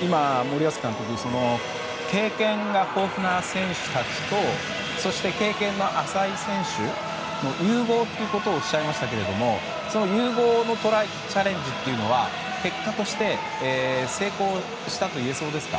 今、森保監督経験が豊富な選手たちとそして、経験の浅い選手の融合ということをおっしゃられましたがその融合のチャレンジというのは結果として成功したといえそうですか？